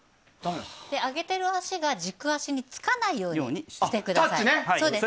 上げている足が軸足につかないようにしてください。